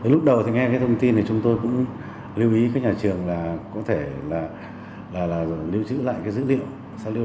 lúc đầu thì nghe cái thông tin thì chúng tôi cũng lưu ý các nhà trường là có thể là lưu trữ lại cái dữ liệu